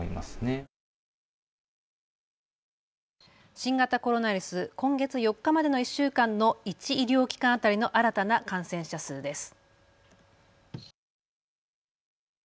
新型コロナウイルス、今月４日までの１週間の１医療機関当たりの新たな感染者数です。